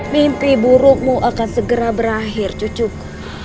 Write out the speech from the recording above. mimpi burukmu akan segera berakhir cucuku